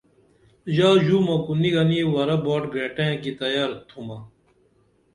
ژا ژومہ کُو نی گنی ورہ باٹ گریٹئیں کی تیار تُھمہ